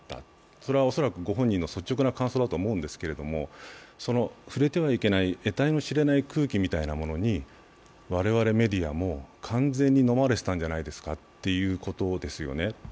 それは恐らくご本人の率直な感想だと思うんですけれども、その触れてはいけないえたいの知れない空気みたいなものに我々メディアも完全にのまれてたんじゃないですかってことですよね。